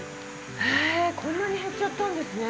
へえこんなに減っちゃったんですね。